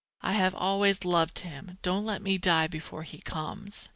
"I have always loved him. Don't let me die before he comes."